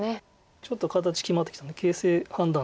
ちょっと形決まってきたので形勢判断としましては。